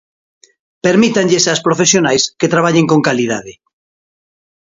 Permítanlles ás profesionais que traballen con calidade.